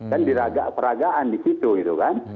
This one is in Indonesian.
kan diraga peragaan di situ gitu kan